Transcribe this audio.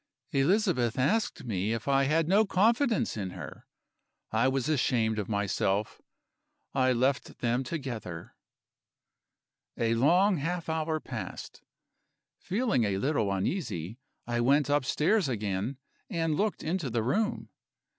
"Elizabeth asked me if I had no confidence in her. I was ashamed of myself; I left them together. "A long half hour passed. Feeling a little uneasy, I went upstairs again and looked into the room.